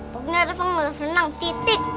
pokoknya rafa ngeles renang titik